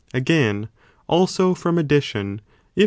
Again, also from addition, if.